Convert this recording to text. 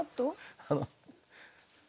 あの。